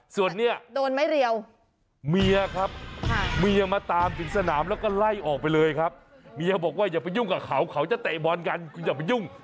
ส่วนเนี่ยโดนไม่เรียวเมียครับเมียมาตามถึงสนามแล้วก็ไล่ออกไปเลยครับเมียบอกว่าอย่าไปยุ่งกับเขาเขาจะเตะบอลกันคุณอย่าไปยุ่ง